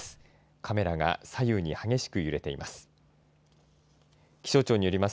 カメラが左右に激しく揺れています。